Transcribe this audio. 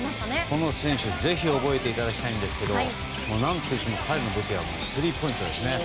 この選手、ぜひ覚えていただきたいんですけど何といっても彼の武器はスリーポイントですね。